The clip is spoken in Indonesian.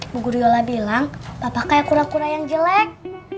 bu guru yola bilang papa kayak kura kura yang jelek